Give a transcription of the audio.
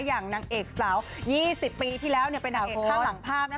อย่างนางเอกสาว๒๐ปีที่แล้วเป็นนางเอกข้างหลังภาพ